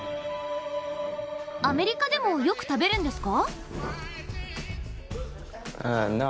アメリカでもよく食べるんですか？